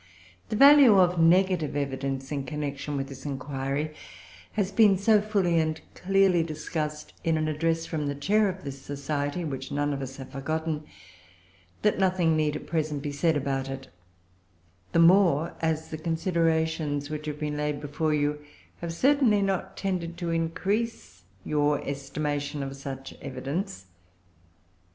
The value of negative evidence, in connection with this inquiry, has been so fully and clearly discussed in an address from the chair of this Society, which none of us have forgotten, that nothing need at present be said about it; the more, as the considerations which have been laid before you have certainly not tended to increase your estimation of such evidence.